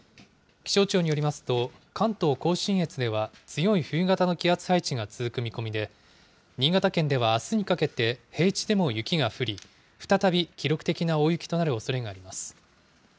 気象庁によりますと、関東甲信越では強い冬型の気圧配置が続く見込みで、新潟県ではあすにかけて、平地でも雪が降り、再び記録的な大雪となるおそれがあります。